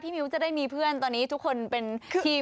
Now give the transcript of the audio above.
มิ้วจะได้มีเพื่อนตอนนี้ทุกคนเป็นทีม